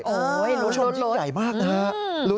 โอ้โหโชคจริงใหญ่มากนะครับ